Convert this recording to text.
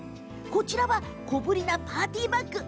こちらは小ぶりなパーティーバッグ。